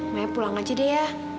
maya pulang aja deh ya